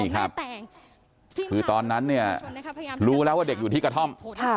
คือตอนนั้นเนี่ยรู้แล้วว่าเด็กอยู่ที่กระท่อม